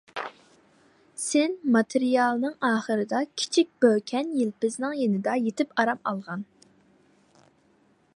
سىن ماتېرىيالىنىڭ ئاخىرىدا كىچىك بۆكەن يىلپىزنىڭ يېنىدا يېتىپ ئارام ئالغان.